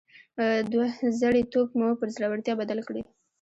دوه زړي توب مو پر زړورتيا بدل کړئ.